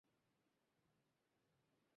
এই টাইপের লোক এরকমই হয় পিঙ্কি।